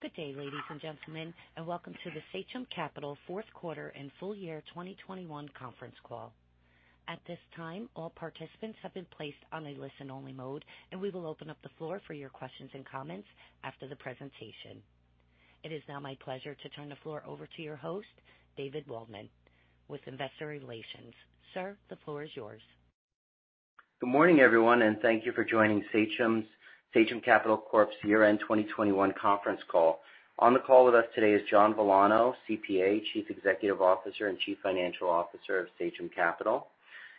Good day, ladies, and gentlemen, and welcome to the Sachem Capital Fourth Quarter and Full Year 2021 Conference Call. At this time, all participants have been placed on a listen-only mode, and we will open up the floor for your questions and comments after the presentation. It is now my pleasure to turn the floor over to your host, David Waldman with Investor Relations. Sir, the floor is yours. Good morning, everyone, and thank you for joining Sachem Capital Corp's Year-End 2021 Conference Call. On the call with us today is John Villano, CPA, Chief Executive Officer and Chief Financial Officer of Sachem Capital.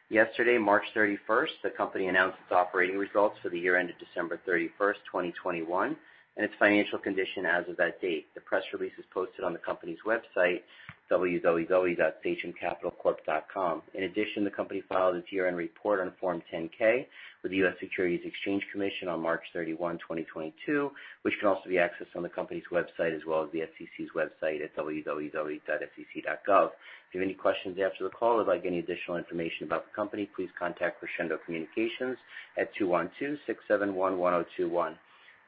Yesterday, March 31st, the company announced its operating results for the year ended December 31st, 2021, and its financial condition as of that date. The press release is posted on the company's website, www.sachemcapitalcorp.com. In addition, the company filed its year-end report on Form 10-K with the U.S. Securities and Exchange Commission on March 31, 2022, which can also be accessed on the company's website as well as the SEC's website at www.sec.gov. If you have any questions after the call or would like any additional information about the company, please contact Crescendo Communications at 212-671-1021.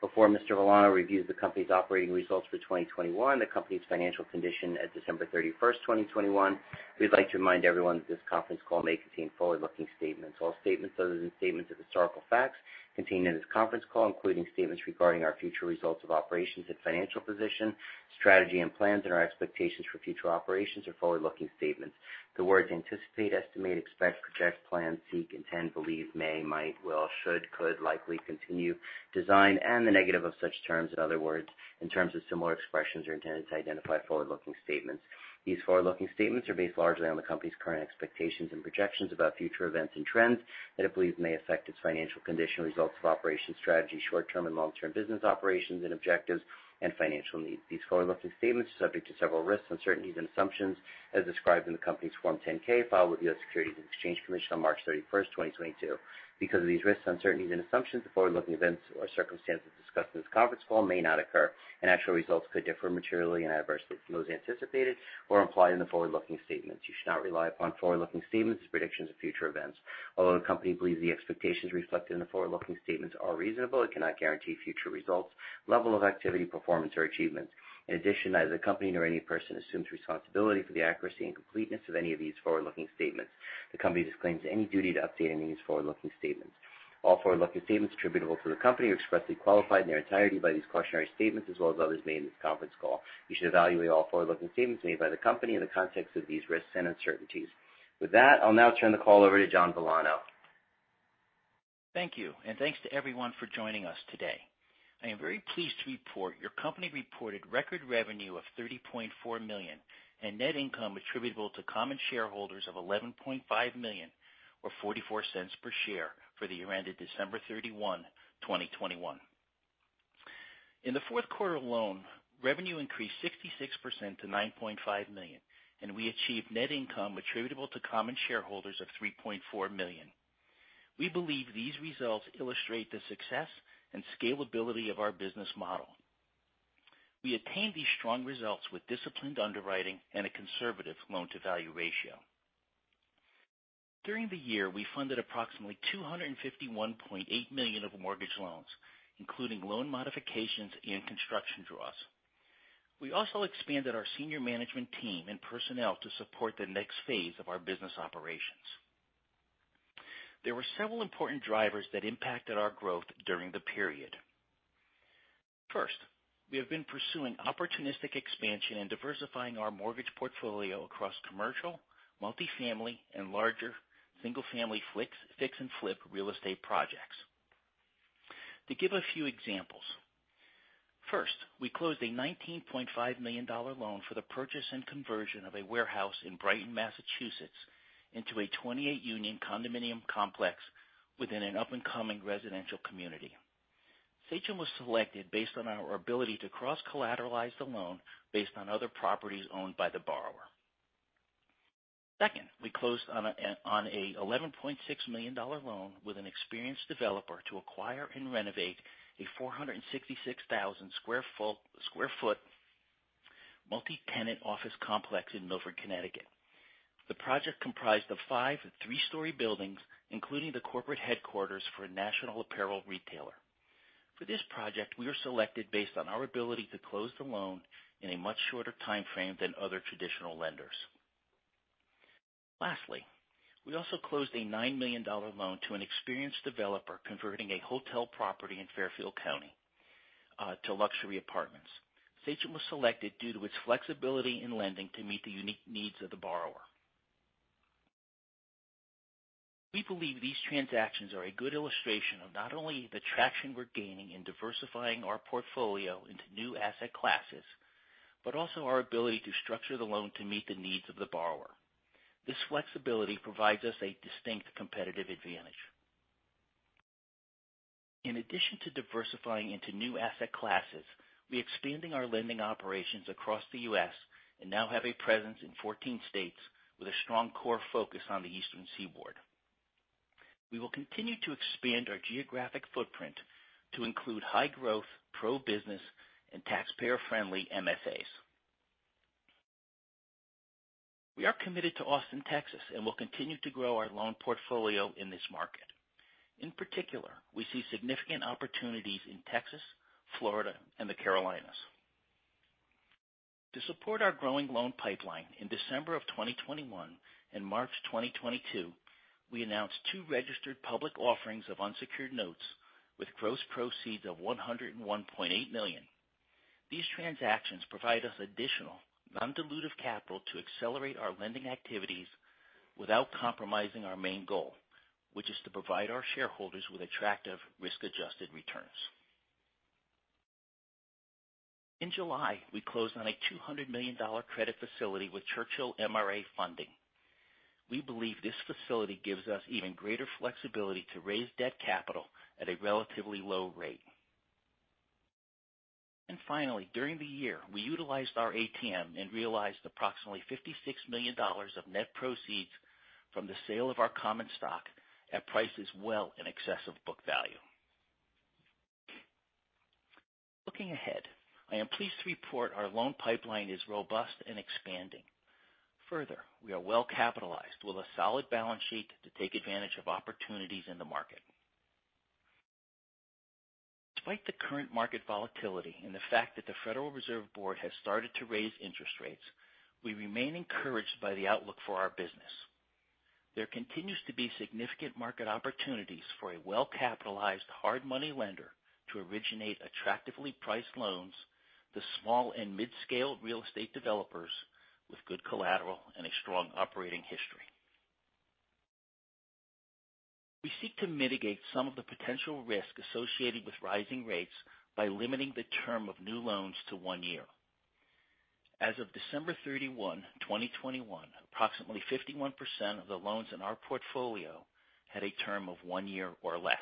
Before Mr. Villano reviews the company's operating results for 2021, the company's financial condition at December 31st, 2021. We'd like to remind everyone that this conference call may contain forward-looking statements. All statements other than statements of historical facts contained in this conference call, including statements regarding our future results of operations and financial position, strategy and plans, and our expectations for future operations are forward-looking statements. The words anticipate, estimate, expect, project, plan, seek, intend, believe, may, might, will, should, could, likely, continue, design, and the negative of such terms and other words and terms of similar expressions are intended to identify forward-looking statements. These forward-looking statements are based largely on the company's current expectations and projections about future events and trends that it believes may affect its financial condition, results of operations, strategy, short-term and long-term business operations and objectives, and financial needs. These forward-looking statements are subject to several risks, uncertainties, and assumptions as described in the company's Form 10-K filed with the U.S. Securities and Exchange Commission on March 31, 2022. Because of these risks, uncertainties, and assumptions, the forward-looking events or circumstances discussed in this conference call may not occur, and actual results could differ materially and adversely from those anticipated or implied in the forward-looking statements. You should not rely upon forward-looking statements as predictions of future events. Although the company believes the expectations reflected in the forward-looking statements are reasonable, it cannot guarantee future results, level of activity, performance, or achievements. In addition, neither the company nor any person assumes responsibility for the accuracy and completeness of any of these forward-looking statements. The company disclaims any duty to update any of these forward-looking statements. All forward-looking statements attributable to the company are expressly qualified in their entirety by these cautionary statements as well as others made in this conference call. You should evaluate all forward-looking statements made by the company in the context of these risks and uncertainties. With that, I'll now turn the call over to John Villano. Thank you, and thanks to everyone for joining us today. I am very pleased to report your company reported record revenue of $30.4 million and net income attributable to common shareholders of $11.5 million or $0.44 per share for the year ended December 31, 2021. In the fourth quarter alone, revenue increased 66% to $9.5 million, and we achieved net income attributable to common shareholders of $3.4 million. We believe these results illustrate the success and scalability of our business model. We attained these strong results with disciplined underwriting and a conservative loan-to-value ratio. During the year, we funded approximately $251.8 million of mortgage loans, including loan modifications and construction draws. We also expanded our senior management team and personnel to support the next phase of our business operations. There were several important drivers that impacted our growth during the period. First, we have been pursuing opportunistic expansion and diversifying our mortgage portfolio across commercial, multifamily, and larger single-family fix and flip real estate projects. To give a few examples, first, we closed a $19.5 million loan for the purchase and conversion of a warehouse in Brighton, Massachusetts, into a 28-unit condominium complex within an up-and-coming residential community. Sachem was selected based on our ability to cross-collateralize the loan based on other properties owned by the borrower. Second, we closed on a $11.6 million loan with an experienced developer to acquire and renovate a 466,000 sq ft multi-tenant office complex in Milford, Connecticut. The project comprised of five three-story buildings, including the corporate headquarters for a national apparel retailer. For this project, we were selected based on our ability to close the loan in a much shorter timeframe than other traditional lenders. Lastly, we also closed a $9 million loan to an experienced developer converting a hotel property in Fairfield County to luxury apartments. Sachem was selected due to its flexibility in lending to meet the unique needs of the borrower. We believe these transactions are a good illustration of not only the traction we're gaining in diversifying our portfolio into new asset classes, but also our ability to structure the loan to meet the needs of the borrower. This flexibility provides us a distinct competitive advantage. In addition to diversifying into new asset classes, we're expanding our lending operations across the U.S. and now have a presence in 14 states with a strong core focus on the Eastern Seaboard. We will continue to expand our geographic footprint to include high growth, pro-business, and taxpayer-friendly MSAs. We are committed to Austin, Texas, and will continue to grow our loan portfolio in this market. In particular, we see significant opportunities in Texas, Florida, and the Carolinas. To support our growing loan pipeline, in December 2021 and March 2022, we announced two registered public offerings of unsecured notes with gross proceeds of $101.8 million. These transactions provide us additional non-dilutive capital to accelerate our lending activities without compromising our main goal, which is to provide our shareholders with attractive risk-adjusted returns. In July, we closed on a $200 million credit facility with Churchill MRA Funding. We believe this facility gives us even greater flexibility to raise debt capital at a relatively low rate. Finally, during the year, we utilized our ATM and realized approximately $56 million of net proceeds from the sale of our common stock at prices well in excess of book value. Looking ahead, I am pleased to report our loan pipeline is robust and expanding. Further, we are well capitalized with a solid balance sheet to take advantage of opportunities in the market. Despite the current market volatility and the fact that the Federal Reserve Board has started to raise interest rates, we remain encouraged by the outlook for our business. There continues to be significant market opportunities for a well-capitalized hard money lender to originate attractively priced loans to small and mid-scale real estate developers with good collateral and a strong operating history. We seek to mitigate some of the potential risk associated with rising rates by limiting the term of new loans to one year. As of December 31, 2021, approximately 51% of the loans in our portfolio had a term of one year or less.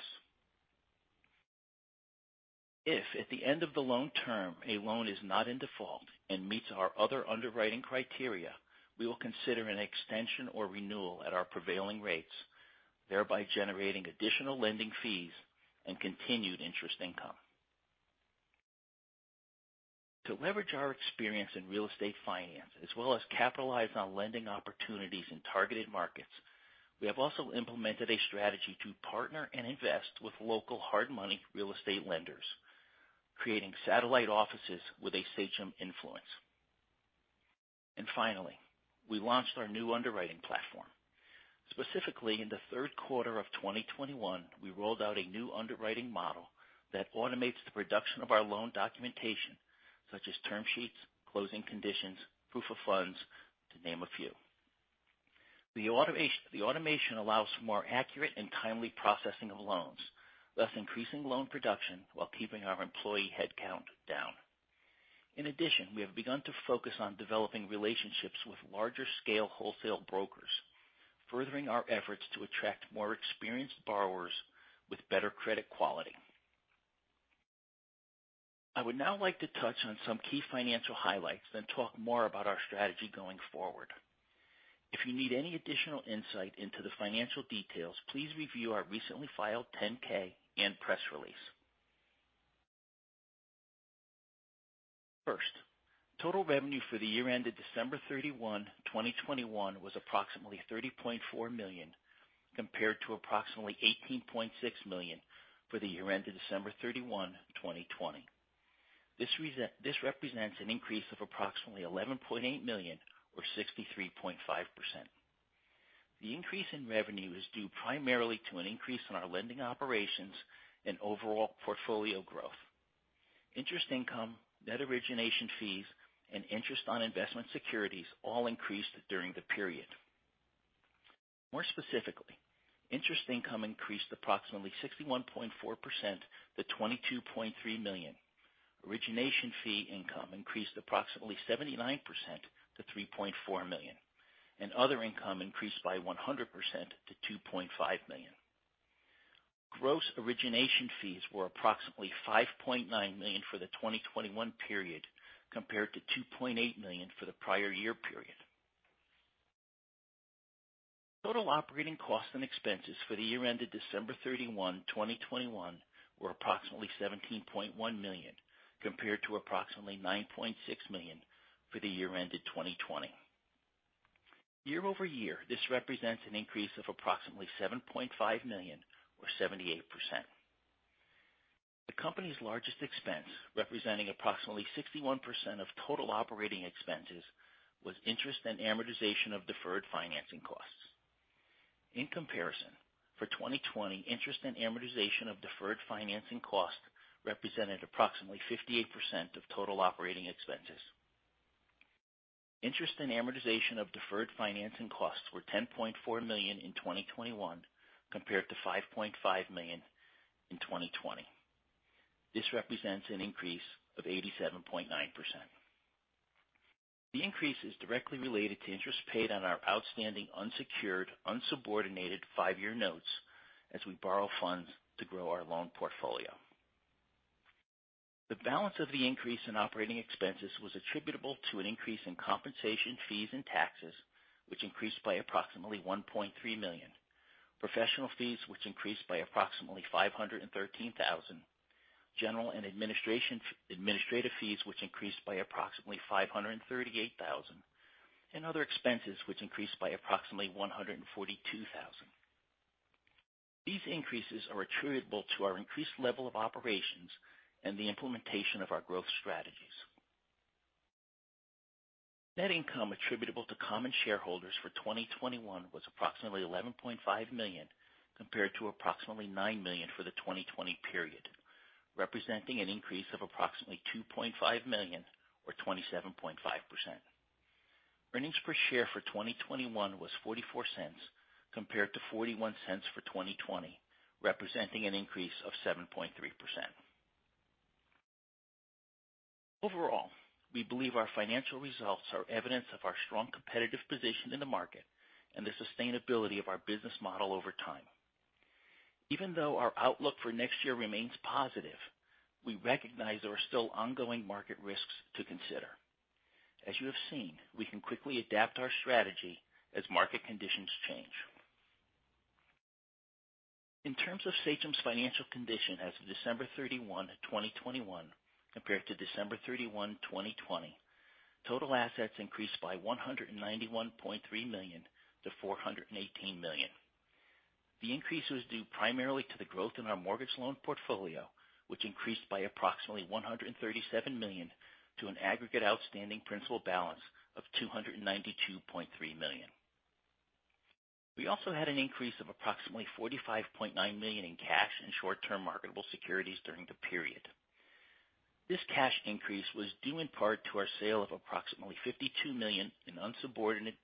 If at the end of the loan term a loan is not in default and meets our other underwriting criteria, we will consider an extension or renewal at our prevailing rates, thereby generating additional lending fees and continued interest income. To leverage our experience in real estate finance, as well as capitalize on lending opportunities in targeted markets, we have also implemented a strategy to partner and invest with local hard money real estate lenders, creating satellite offices with a Sachem influence. Finally, we launched our new underwriting platform. Specifically, in the third quarter of 2021, we rolled out a new underwriting model that automates the production of our loan documentation, such as term sheets, closing conditions, proof of funds, to name a few. The automation allows for more accurate and timely processing of loans, thus increasing loan production while keeping our employee headcount down. In addition, we have begun to focus on developing relationships with larger scale wholesale brokers, furthering our efforts to attract more experienced borrowers with better credit quality. I would now like to touch on some key financial highlights, then talk more about our strategy going forward. If you need any additional insight into the financial details, please review our recently filed 10-K and press release. First, total revenue for the year ended December 31, 2021 was approximately $30.4 million, compared to approximately $18.6 million for the year ended December 31, 2020. This represents an increase of approximately $11.8 million or 63.5%. The increase in revenue is due primarily to an increase in our lending operations and overall portfolio growth. Interest income, net origination fees, and interest on investment securities all increased during the period. More specifically, interest income increased approximately 61.4% to $22.3 million. Origination fee income increased approximately 79% to $3.4 million, and other income increased by 100% to $2.5 million. Gross origination fees were approximately $5.9 million for the 2021 period, compared to $2.8 million for the prior year period. Total operating costs and expenses for the year ended December 31, 2021 were approximately $17.1 million, compared to approximately $9.6 million for the year ended 2020. Year-over-year, this represents an increase of approximately $7.5 million or 78%. The company's largest expense, representing approximately 61% of total operating expenses, was interest and amortization of deferred financing costs. In comparison, for 2020, interest and amortization of deferred financing costs represented approximately 58% of total operating expenses. Interest and amortization of deferred financing costs were $10.4 million in 2021, compared to $5.5 million in 2020. This represents an increase of 87.9%. The increase is directly related to interest paid on our outstanding unsecured, unsubordinated five-year notes as we borrow funds to grow our loan portfolio. The balance of the increase in operating expenses was attributable to an increase in compensation fees and taxes, which increased by approximately $1.3 million. Professional fees, which increased by approximately $513,000. Administrative fees, which increased by approximately $538,000. Other expenses, which increased by approximately $142,000. These increases are attributable to our increased level of operations and the implementation of our growth strategies. Net income attributable to common shareholders for 2021 was approximately $11.5 million, compared to approximately $9 million for the 2020 period, representing an increase of approximately $2.5 million, or 27.5%. Earnings per share for 2021 was $0.44 compared to $0.41 for 2020, representing an increase of 7.3%. Overall, we believe our financial results are evidence of our strong competitive position in the market and the sustainability of our business model over time. Even though our outlook for next year remains positive, we recognize there are still ongoing market risks to consider. As you have seen, we can quickly adapt our strategy as market conditions change. In terms of Sachem's financial condition as of December 31, 2021 compared to December 31, 2020, total assets increased by $191.3 million-$418 million. The increase was due primarily to the growth in our mortgage loan portfolio, which increased by approximately $137 million to an aggregate outstanding principal balance of $292.3 million. We also had an increase of approximately $45.9 million in cash and short-term marketable securities during the period. This cash increase was due in part to our sale of approximately $52 million in unsubordinated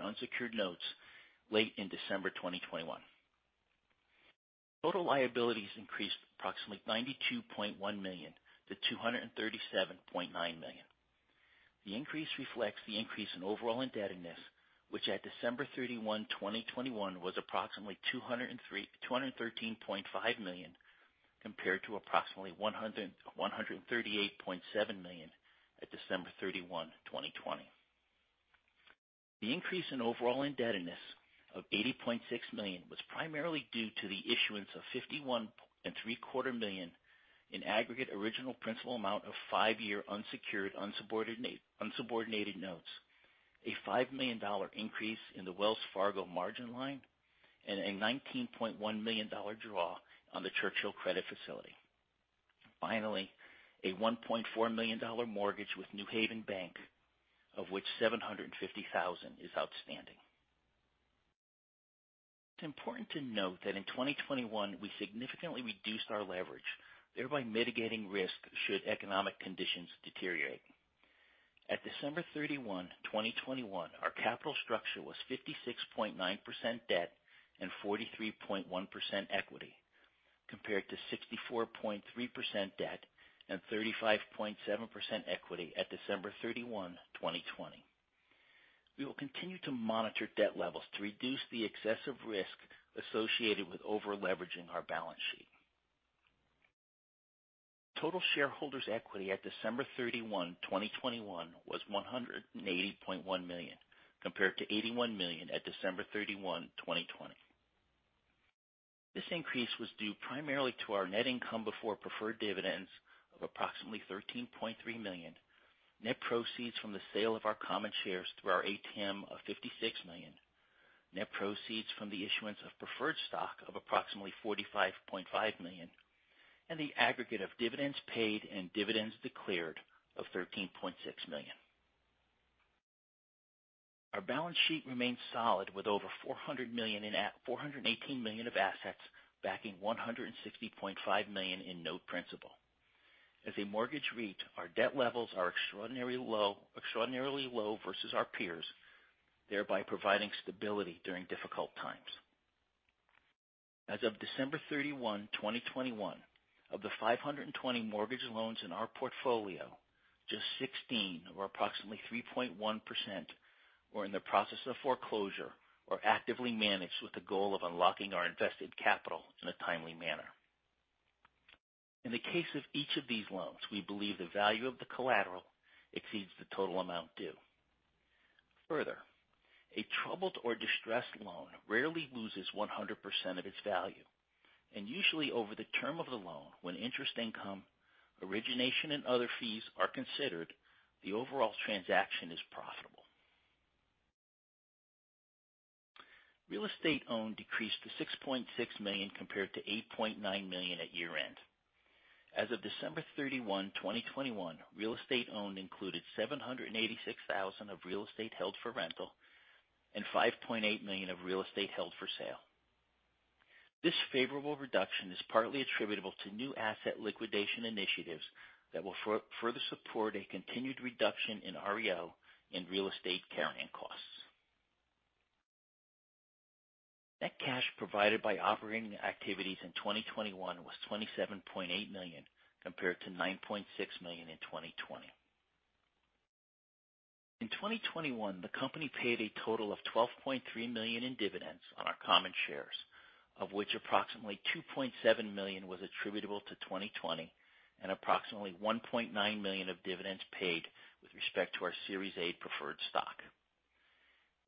unsecured notes late in December 2021. Total liabilities increased approximately $92.1 million-$237.9 million. The increase reflects the increase in overall indebtedness, which at December 31, 2021 was approximately $213.5 million compared to approximately $138.7 million at December 31, 2020. The increase in overall indebtedness of $80.6 million was primarily due to the issuance of $51.75 million in aggregate original principal amount of five-year unsecured unsubordinated notes, a $5 million increase in the Wells Fargo margin line, and a $19.1 million draw on the Churchill credit facility. Finally, a $1.4 million mortgage with New Haven Bank, of which $750,000 is outstanding. It's important to note that in 2021, we significantly reduced our leverage, thereby mitigating risk should economic conditions deteriorate. At December 31, 2021, our capital structure was 56.9% debt and 43.1% equity, compared to 64.3% debt and 35.7% equity at December 31, 2020. We will continue to monitor debt levels to reduce the excessive risk associated with over-leveraging our balance sheet. Total shareholders' equity at December 31, 2021 was $180.1 million compared to $81 million at December 31, 2020. This increase was due primarily to our net income before preferred dividends of approximately $13.3 million, net proceeds from the sale of our common shares through our ATM of $56 million, net proceeds from the issuance of preferred stock of approximately $45.5 million, and the aggregate of dividends paid and dividends declared of $13.6 million. Our balance sheet remains solid with over $400 million—$418 million of assets backing $160.5 million in note principal. As a mortgage REIT, our debt levels are extraordinarily low versus our peers, thereby providing stability during difficult times. As of December 31, 2021, of the 520 mortgage loans in our portfolio, just 16 or approximately 3.1% were in the process of foreclosure or actively managed with the goal of unlocking our invested capital in a timely manner. In the case of each of these loans, we believe the value of the collateral exceeds the total amount due. Further, a troubled or distressed loan rarely loses 100% of its value, and usually over the term of the loan, when interest income, origination, and other fees are considered, the overall transaction is profitable. Real estate owned decreased to $6.6 million compared to $8.9 million at year-end. As of December 31, 2021, real estate owned included $786,000 of real estate held for rental and $5.8 million of real estate held for sale. This favorable reduction is partly attributable to new asset liquidation initiatives that will further support a continued reduction in REO and real estate carrying costs. Net cash provided by operating activities in 2021 was $27.8 million compared to $9.6 million in 2020. In 2021, the company paid a total of $12.3 million in dividends on our common shares, of which approximately $2.7 million was attributable to 2020 and approximately $1.9 million of dividends paid with respect to our Series A preferred stock.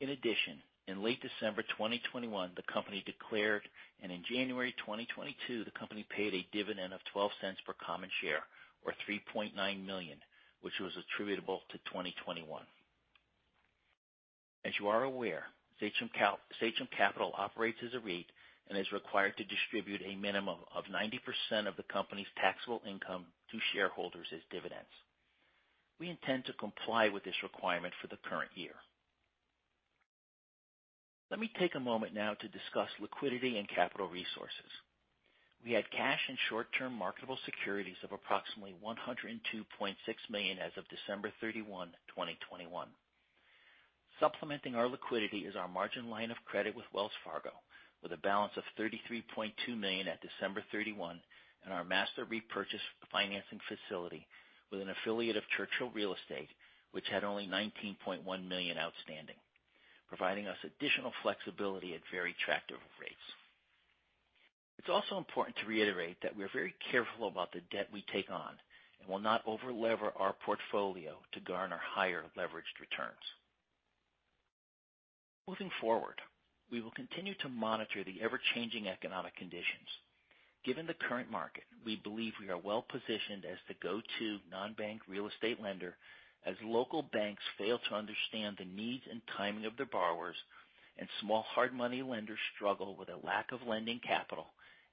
In addition, in late December 2021, the company declared, and in January 2022, the company paid a dividend of $0.12 per common share, or $3.9 million, which was attributable to 2021. As you are aware, Sachem Capital operates as a REIT and is required to distribute a minimum of 90% of the company's taxable income to shareholders as dividends. We intend to comply with this requirement for the current year. Let me take a moment now to discuss liquidity and capital resources. We had cash and short-term marketable securities of approximately $102.6 million as of December 31, 2021. Supplementing our liquidity is our margin line of credit with Wells Fargo, with a balance of $33.2 million at December 31, and our master repurchase financing facility with an affiliate of Churchill Real Estate, which had only $19.1 million outstanding, providing us additional flexibility at very attractive rates. It's also important to reiterate that we're very careful about the debt we take on and will not over-lever our portfolio to garner higher leveraged returns. Moving forward, we will continue to monitor the ever-changing economic conditions. Given the current market, we believe we are well positioned as the go-to non-bank real estate lender as local banks fail to understand the needs and timing of their borrowers and small hard money lenders struggle with a lack of lending capital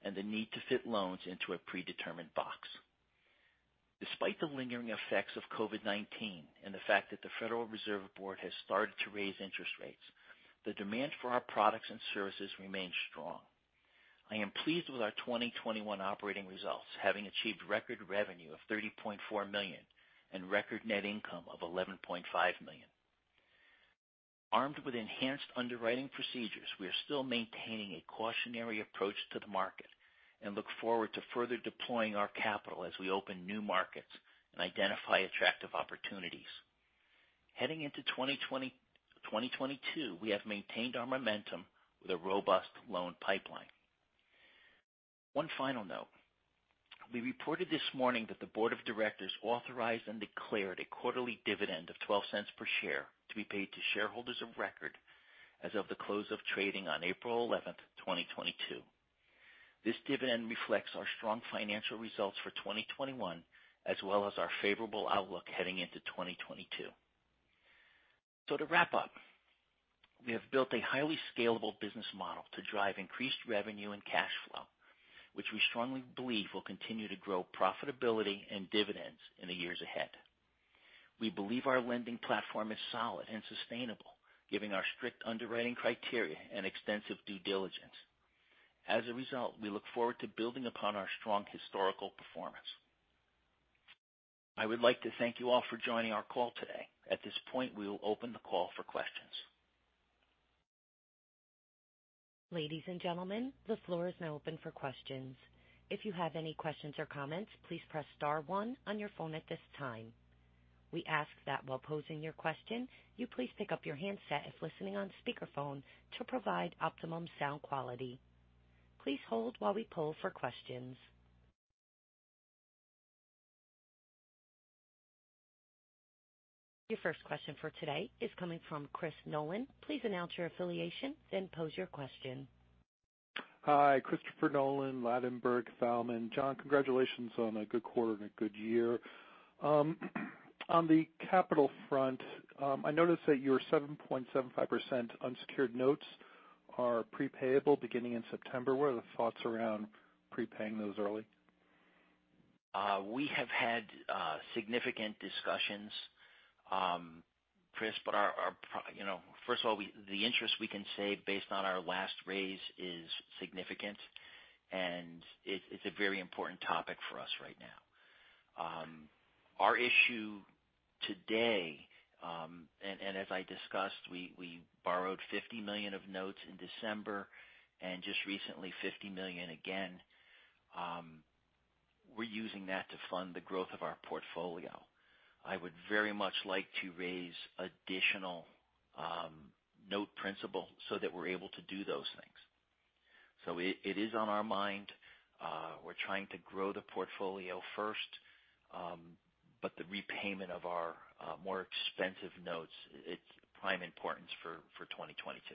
and the need to fit loans into a predetermined box. Despite the lingering effects of COVID-19 and the fact that the Federal Reserve Board has started to raise interest rates, the demand for our products and services remains strong. I am pleased with our 2021 operating results, having achieved record revenue of $30.4 million and record net income of $11.5 million. Armed with enhanced underwriting procedures, we are still maintaining a cautionary approach to the market and look forward to further deploying our capital as we open new markets and identify attractive opportunities. Heading into 2022, we have maintained our momentum with a robust loan pipeline. One final note. We reported this morning that the board of directors authorized and declared a quarterly dividend of $0.12 per share to be paid to shareholders of record as of the close of trading on April 11th, 2022. This dividend reflects our strong financial results for 2021, as well as our favorable outlook heading into 2022. To wrap up, we have built a highly scalable business model to drive increased revenue and cash flow, which we strongly believe will continue to grow profitability and dividends in the years ahead. We believe our lending platform is solid and sustainable, given our strict underwriting criteria and extensive due diligence. As a result, we look forward to building upon our strong historical performance. I would like to thank you all for joining our call today. At this point, we will open the call for questions. Ladies, and gentlemen, the floor is now open for questions. If you have any questions or comments, please press star one on your phone at this time. We ask that while posing your question, you please pick up your handset if listening on speakerphone to provide optimum sound quality. Please hold while we poll for questions. Your first question for today is coming from Chris Nolan. Please announce your affiliation, then pose your question. Hi, Christopher Nolan, Ladenburg Thalmann. John, congratulations on a good quarter and a good year. On the capital front, I noticed that your 7.75% unsecured notes are prepayable beginning in September. What are the thoughts around prepaying those early? We have had significant discussions, Chris, but you know, first of all, the interest we can save based on our last raise is significant, and it's a very important topic for us right now. Our issue today, as I discussed, we borrowed $50 million of notes in December and just recently $50 million again. We're using that to fund the growth of our portfolio. I would very much like to raise additional note principal so that we're able to do those things. It is on our mind. We're trying to grow the portfolio first, but the repayment of our more expensive notes, it's prime importance for 2022.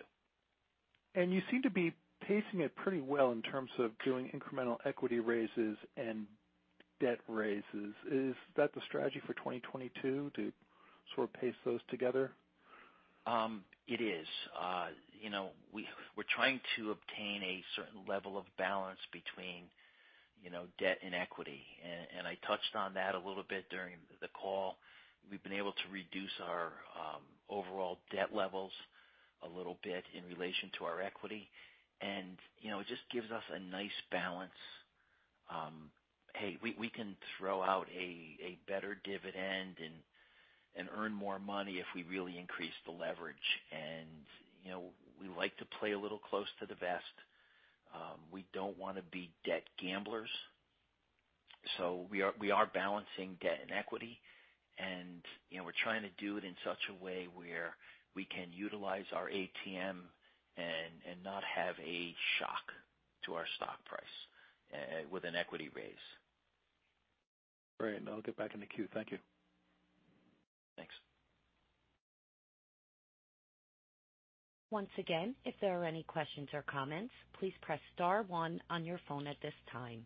You seem to be pacing it pretty well in terms of doing incremental equity raises and debt raises. Is that the strategy for 2022 to sort of pace those together? It is. You know, we're trying to obtain a certain level of balance between, you know, debt and equity. I touched on that a little bit during the call. We've been able to reduce our overall debt levels a little bit in relation to our equity. You know, it just gives us a nice balance. Hey, we can throw out a better dividend and earn more money if we really increase the leverage. You know, we like to play a little close to the vest. We don't wanna be debt gamblers. We are balancing debt and equity and, you know, we're trying to do it in such a way where we can utilize our ATM and not have a shock to our stock price with an equity raise. Great. I'll get back in the queue. Thank you. Thanks. Once again, if there are any questions or comments, please press star one on your phone at this time.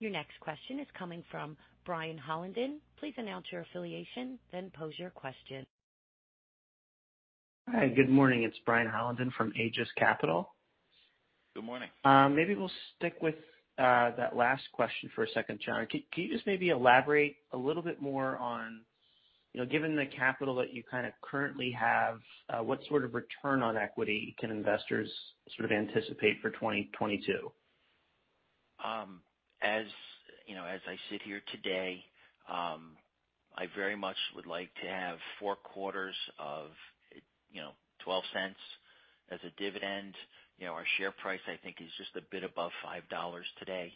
Your next question is coming from Brian Hollenden. Please announce your affiliation, then pose your question. Hi. Good morning. It's Brian Hollenden from Aegis Capital. Good morning. Maybe we'll stick with that last question for a second, John. Can you just maybe elaborate a little bit more on, you know, given the capital that you kinda currently have, what sort of return on equity can investors sort of anticipate for 2022? As you know, as I sit here today, I very much would like to have four quarters of, you know, $0.12 as a dividend. You know, our share price I think is just a bit above $5 today.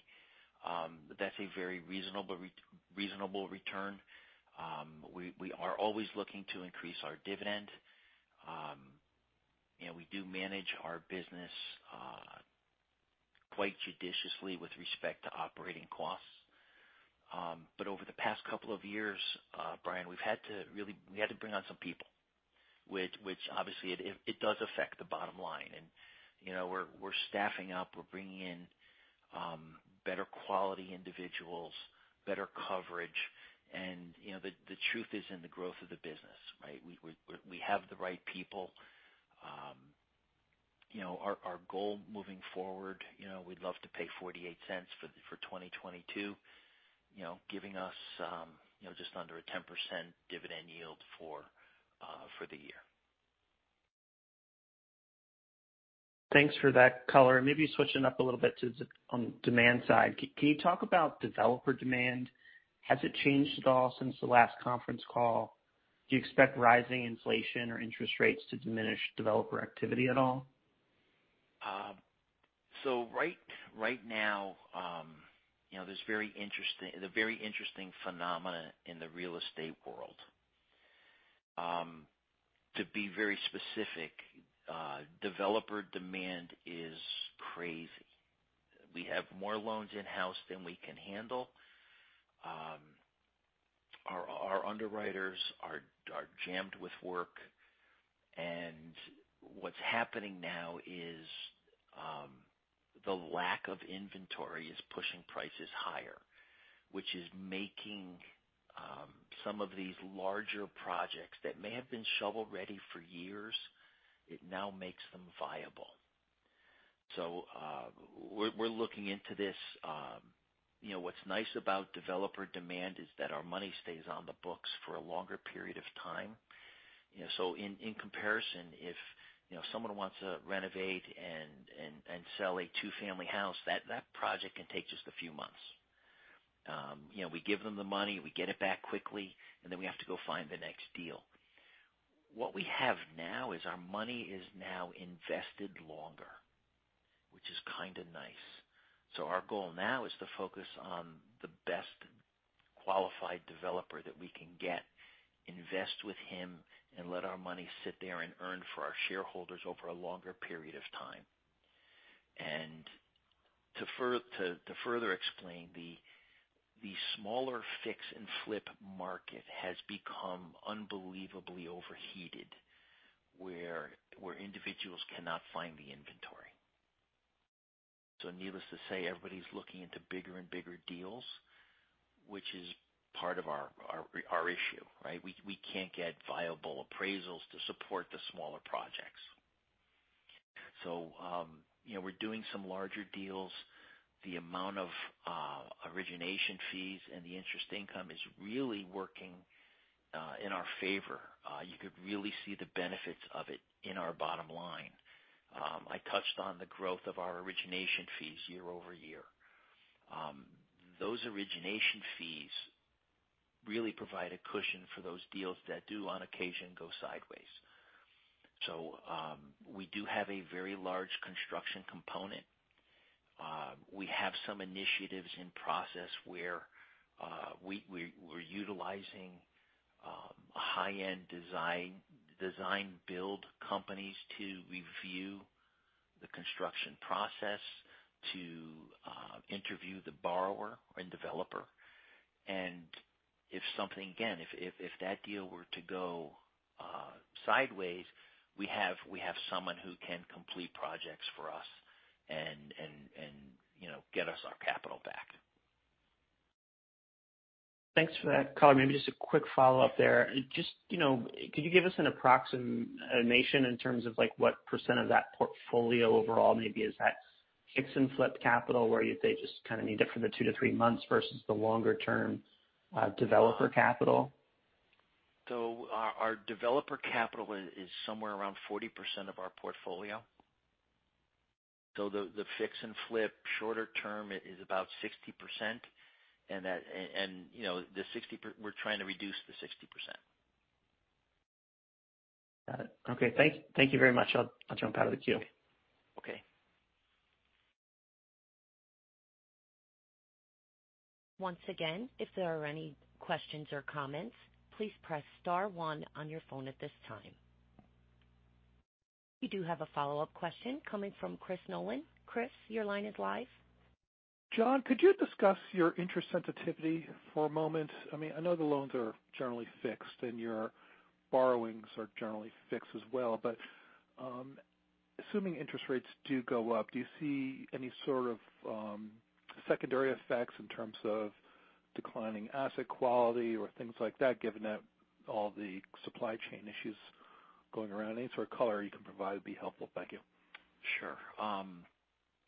That's a very reasonable return. We are always looking to increase our dividend. You know, we do manage our business quite judiciously with respect to operating costs. But over the past couple of years, Brian, we've had to bring on some people, which obviously it does affect the bottom line. You know, we're staffing up. We're bringing in better quality individuals, better coverage. You know, the truth is in the growth of the business, right? We have the right people. You know, our goal moving forward, you know, we'd love to pay $0.48 for 2022, you know, giving us just under a 10% dividend yield for the year. Thanks for that color. Maybe switching up a little bit to the, on the demand side. Can you talk about developer demand? Has it changed at all since the last conference call? Do you expect rising inflation or interest rates to diminish developer activity at all? Right now, you know, there's a very interesting phenomena in the real estate world. To be very specific, developer demand is crazy. We have more loans in-house than we can handle. Our underwriters are jammed with work. What's happening now is the lack of inventory is pushing prices higher, which is making some of these larger projects that may have been shovel ready for years, it now makes them viable. We're looking into this. You know, what's nice about developer demand is that our money stays on the books for a longer period of time. You know, in comparison, if you know, someone wants to renovate and sell a two-family house, that project can take just a few months. You know, we give them the money, we get it back quickly, and then we have to go find the next deal. What we have now is our money is now invested longer, which is kinda nice. Our goal now is to focus on the best qualified developer that we can get, invest with him and let our money sit there and earn for our shareholders over a longer period of time. To further explain, the smaller fix and flip market has become unbelievably overheated, where individuals cannot find the inventory. Needless to say, everybody's looking into bigger and bigger deals, which is part of our issue, right? We can't get viable appraisals to support the smaller projects. You know, we're doing some larger deals. The amount of origination fees and the interest income is really working in our favor. You could really see the benefits of it in our bottom line. I touched on the growth of our origination fees year-over-year. Those origination fees really provide a cushion for those deals that do on occasion go sideways. We do have a very large construction component. We have some initiatives in process where we are utilizing high-end design build companies to review the construction process to interview the borrower and developer. If something, again, if that deal were to go sideways, we have someone who can complete projects for us and you know, get us our capital back. Thanks for that color. Maybe just a quick follow-up there. Just, you know, could you give us an approximation in terms of like what % of that portfolio overall maybe is that fix and flip capital where if they just kinda need it for the two to three months versus the longer term, developer capital? Our developer capital is somewhere around 40% of our portfolio. The fix and flip shorter term is about 60%. You know, we're trying to reduce the 60%. Got it. Okay. Thank you very much. I'll jump out of the queue. Okay. Once again, if there are any questions or comments, please press star one on your phone at this time. We do have a follow-up question coming from Chris Nolan. Chris, your line is live. John, could you discuss your interest sensitivity for a moment? I mean, I know the loans are generally fixed, and your borrowings are generally fixed as well. Assuming interest rates do go up, do you see any sort of secondary effects in terms of declining asset quality or things like that, given that all the supply chain issues going around? Any sort of color you can provide would be helpful. Thank you. Sure.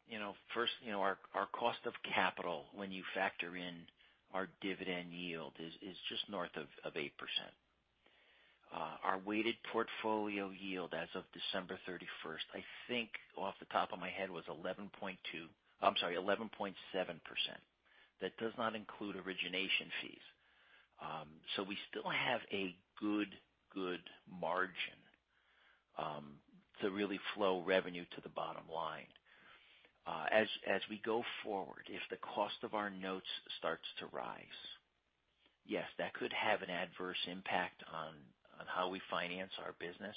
You know, first, you know, our cost of capital when you factor in our dividend yield is just north of 8%. Our weighted portfolio yield as of December 31st, I think off the top of my head was 11.7%. That does not include origination fees. So we still have a good margin to really flow revenue to the bottom line. As we go forward, if the cost of our notes starts to rise, yes, that could have an adverse impact on how we finance our business.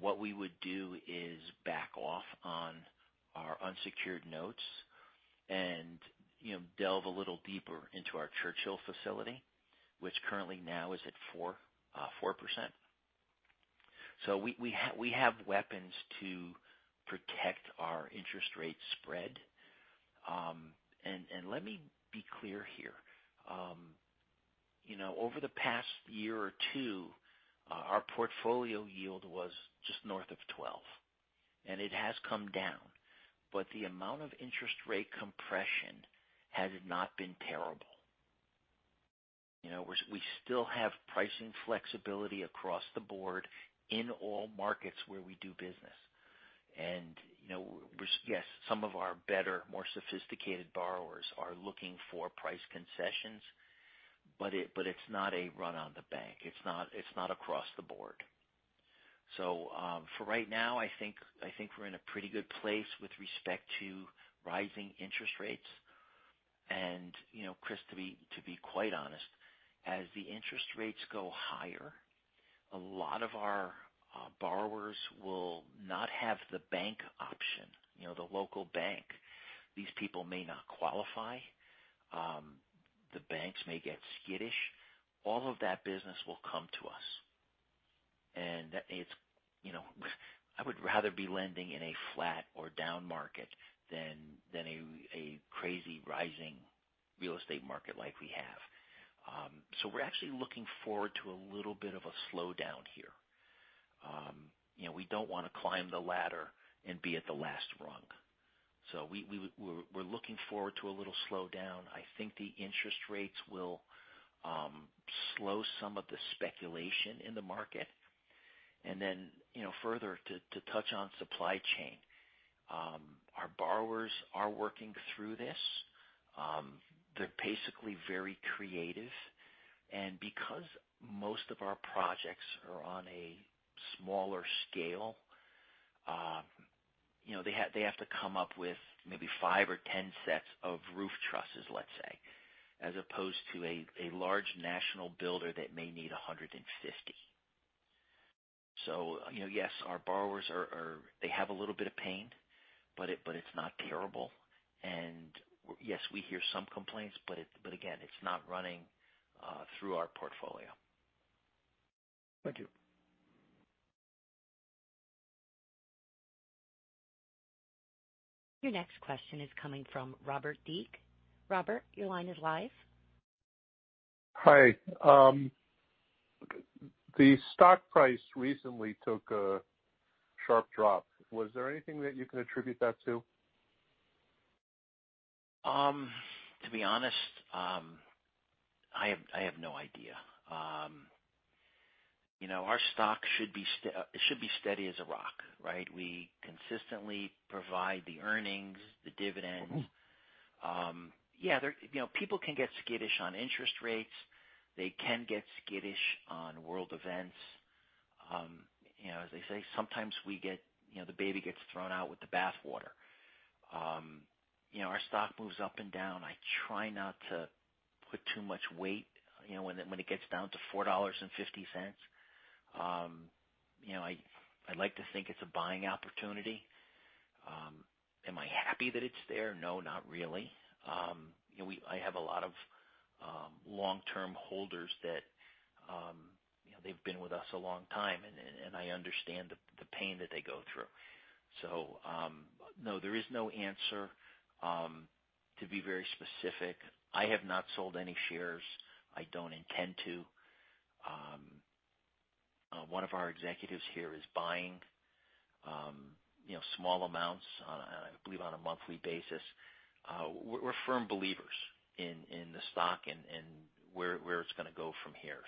What we would do is back off on our unsecured notes and, you know, delve a little deeper into our Churchill facility, which currently now is at 4%. We have weapons to protect our interest rate spread. Let me be clear here. You know, over the past year or two, our portfolio yield was just north of 12%, and it has come down. The amount of interest rate compression has not been terrible. You know, we still have pricing flexibility across the board in all markets where we do business. You know, yes, some of our better, more sophisticated borrowers are looking for price concessions, but it's not a run on the bank. It's not across the board. For right now, I think we're in a pretty good place with respect to rising interest rates. You know, Chris, to be quite honest, as the interest rates go higher, a lot of our borrowers will not have the bank option, you know, the local bank. These people may not qualify. The banks may get skittish. All of that business will come to us. It's, you know, I would rather be lending in a flat or down market than a crazy rising real estate market like we have. So we're actually looking forward to a little bit of a slowdown here. You know, we don't wanna climb the ladder and be at the last rung. So we're looking forward to a little slowdown. I think the interest rates will slow some of the speculation in the market. Then, you know, further to touch on supply chain. Our borrowers are working through this. They're basically very creative. Because most of our projects are on a smaller scale, you know, they have to come up with maybe five or 10 sets of roof trusses, let's say, as opposed to a large national builder that may need 150. You know, yes, our borrowers are they have a little bit of pain, but it's not terrible. Yes, we hear some complaints, but again, it's not running through our portfolio. Thank you. Your next question is coming from Robert Deak. Robert, your line is live. Hi. The stock price recently took a sharp drop. Was there anything that you can attribute that to? To be honest, I have no idea. You know, our stock should be steady as a rock, right? We consistently provide the earnings, the dividends. Yeah, you know, people can get skittish on interest rates. They can get skittish on world events. You know, as they say, sometimes we get, you know, the baby gets thrown out with the bath water. You know, our stock moves up and down. I try not to put too much weight, you know, when it gets down to $4.50. You know, I like to think it's a buying opportunity. Am I happy that it's there? No, not really. You know, I have a lot of long-term holders that you know, they've been with us a long time, and I understand the pain that they go through. No, there is no answer. To be very specific, I have not sold any shares. I don't intend to. One of our executives here is buying you know, small amounts on a monthly basis, I believe. We're firm believers in the stock and where it's gonna go from here.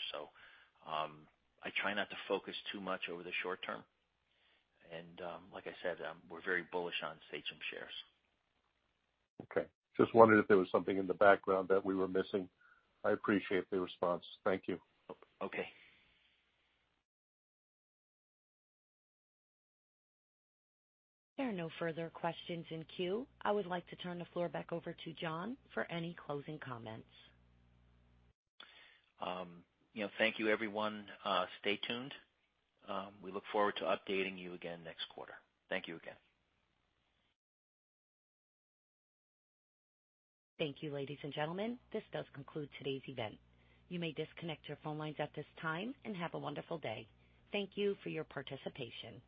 I try not to focus too much over the short term. Like I said, we're very bullish on Sachem shares. Okay. Just wondering if there was something in the background that we were missing. I appreciate the response. Thank you. Okay. There are no further questions in queue. I would like to turn the floor back over to John for any closing comments. You know, thank you, everyone. Stay tuned. We look forward to updating you again next quarter. Thank you again. Thank you, ladies, and gentlemen. This does conclude today's event. You may disconnect your phone lines at this time, and have a wonderful day. Thank you for your participation.